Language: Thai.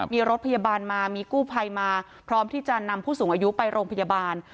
มีรถพยาบาลมามีกู้ภัยมาพร้อมที่จะนำผู้สูงอายุไปโรงพยาบาล